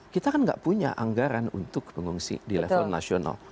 kita kan nggak punya anggaran untuk pengungsi di level nasional